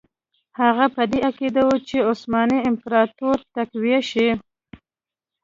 هغه په دې عقیده وو چې عثماني امپراطوري تقویه شي.